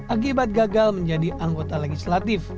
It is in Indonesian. akibat gagal menjadi anggota legislatif